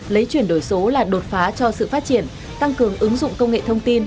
lấy chuyển đổi số là đột phá cho sự phát triển tăng cường ứng dụng công nghệ thông tin